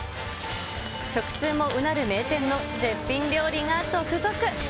食通もうなる名店の絶品料理が続々。